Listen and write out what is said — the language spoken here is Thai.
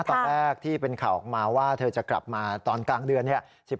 ตอนแรกที่เป็นข่าวออกมาว่าเธอจะกลับมาตอนกลางเดือนเนี่ย